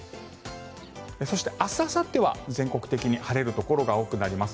そして、明日あさっては全国的に晴れるところが多くなります。